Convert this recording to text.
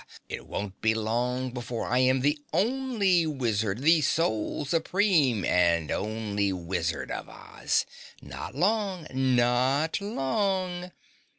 it won't be long before I am the ONLY wizard, the sole, supreme and only Wizard of Oz! Not long! Not long!"